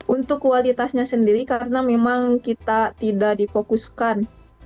untuk kualitasnya sendiri karena memang kita tidak difokuskan